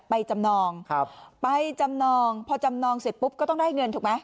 จำนองครับไปจำนองพอจำนองเสร็จปุ๊บก็ต้องได้เงินถูกไหม